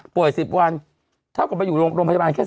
ค่ะป่วยสิบวันเท่ากับมาอยู่โรงโรงพยาบาลแค่สี่วัน